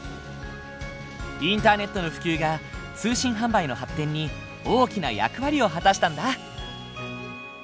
インターネットの普及が通信販売の発展に大きな役割を果たしたんだ。